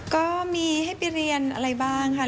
ก็มีให้ไปเรียนอะไรบ้างค่ะ